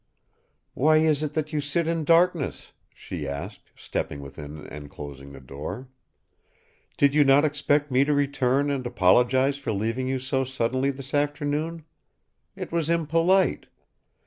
"Why is it that you sit in darkness?" she asked, stepping within and closing the door. "Did you not expect me to return and apologize for leaving you so suddenly this afternoon? It was impolite.